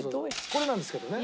これなんですけどね。